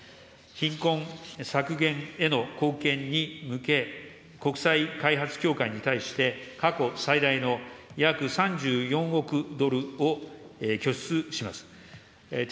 貧困削減への貢献に向け、国際開発協会に対して、過去最大の約３４億ドルを拠出します。